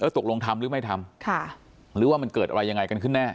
ตกลงทำหรือไม่ทำหรือว่ามันเกิดอะไรยังไงกันขึ้นแน่